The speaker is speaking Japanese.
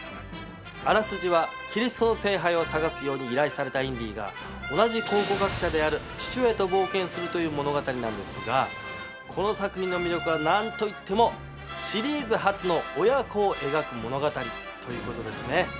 あらすじはキリストの聖杯を探すように依頼されたインディが同じ考古学者である父親と冒険するという物語なんですがこの作品の魅力は何といってもシリーズ初の親子を描く物語ということですね。